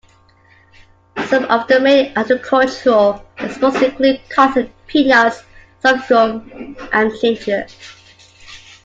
Some of the main agricultural exports include: cotton, peanuts, sorghum, and ginger.